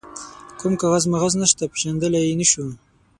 کوم کاغذ ماغذ نشته، پيژندلای يې نه شو.